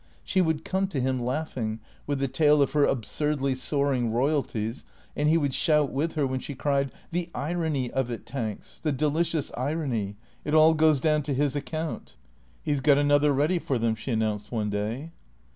She would come to him, 428 THECEEATOES 429 laughing, with the tale of her absurdly soaring royalties, and he would shout with her when she cried, " The irony of it, Tanks, the delicious irony ! It all goes down to his account." " He 's got another ready for them," she announced one day.